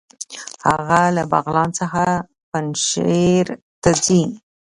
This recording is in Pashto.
هغه له بغلان څخه پنجهیر ته ځي.